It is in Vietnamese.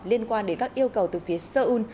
liên quan đến các yêu cầu từ phía seoul